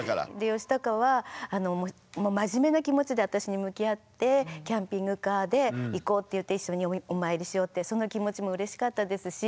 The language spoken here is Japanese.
ヨシタカはもう真面目な気持ちで私に向き合ってキャンピングカーで行こうって言って一緒にお参りしようってその気持ちもうれしかったですし